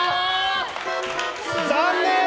残念！